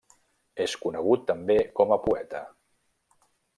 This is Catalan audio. És conegut també com a poeta.